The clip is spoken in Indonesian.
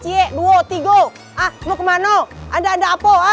yeh diam aja